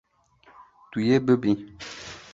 Tu yê bibî.